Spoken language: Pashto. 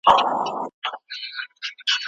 د سبا ورځې په اړه اندیښنه مه کوه.